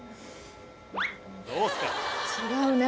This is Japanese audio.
違うね